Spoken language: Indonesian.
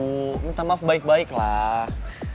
terus lo minta maaf sama bokapnya lo jelasin